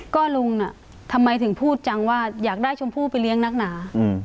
ก็ลุงน่ะทำไมถึงพูดจังว่าอยากได้ชมพู่ไปเลี้ยงนักหนา